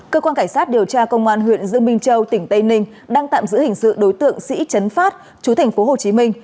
cơ quan cảnh sát điều tra công an huyện dương minh châu tỉnh tây ninh đang tạm giữ hình sự đối tượng sĩ chấn phát chú thành phố hồ chí minh